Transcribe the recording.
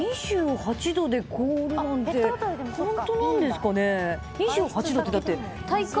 ２８度で凍るなんてホントなんですかね？